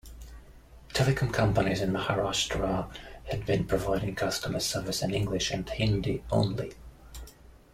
Telecom companies in Maharashtra had been providing customer service in English and Hindi only.